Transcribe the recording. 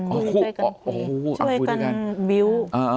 ช่วยกันวิว